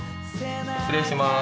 失礼します。